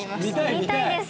見たいです。